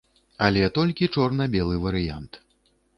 Але толькі чорна-белы варыянт.